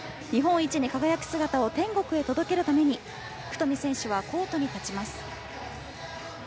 日本一に輝く姿を天国へ届けるために九冨選手はコートに立ちます。